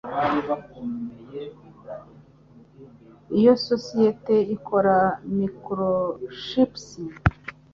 Iyo sosiyete ikora microchips